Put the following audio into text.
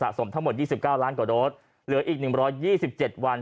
สะสมทั้งหมดยี่สิบเก้าร้านกว่าโดสเหลืออีกหนึ่งร้อยยี่สิบเจ็ดวัน